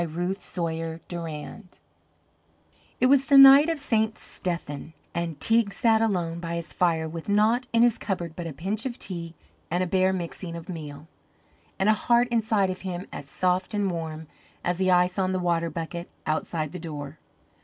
RUTH SAWYER DURAND It was the night of St. Stephen, and Teig sat alone by his fire with naught in his cupboard but a pinch of tea and a bare mixing of meal, and a heart inside of him as soft and warm as the ice on the water bucket outside the door.